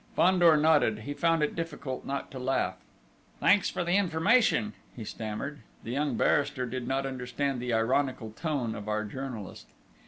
Fandor nodded. He found it difficult not to laugh. "Thanks many for the information," he stammered. The young barrister did not understand the ironical tone of our journalist.